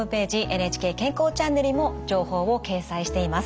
ＮＨＫ健康チャンネルにも情報を掲載しています。